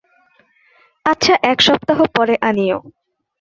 আচ্ছা এক সপ্তাহ পরে আনিয়ো।